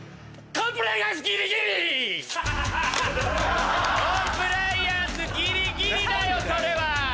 コンプライアンスギリギリだよそれは！